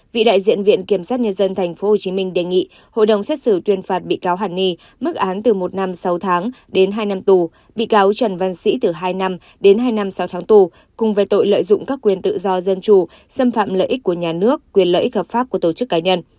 vị đại diện viện kiểm sát nhân dân tp hcm đề nghị hội đồng xét xử tuyên phạt bị cáo hàn ni mức án từ một năm sáu tháng đến hai năm tù bị cáo trần văn sĩ từ hai năm đến hai năm sáu tháng tù cùng về tội lợi dụng các quyền tự do dân chủ xâm phạm lợi ích của nhà nước quyền lợi ích hợp pháp của tổ chức cá nhân